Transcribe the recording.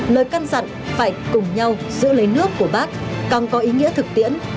lời căn dặn phải cùng nhau giữ lấy nước của bác càng có ý nghĩa thực tiễn